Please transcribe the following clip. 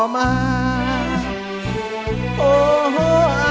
ไม่ใช้ครับไม่ใช้ครับ